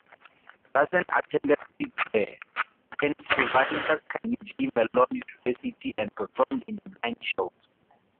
Larsen attended Pittsburgh, Pennsylvania's Carnegie Mellon University and performed in nine shows.